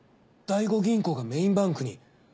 第五銀行がメインバンクに？